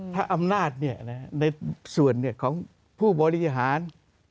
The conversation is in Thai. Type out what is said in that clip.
ถ้าอำนาจในส่วนของผู้บริหาร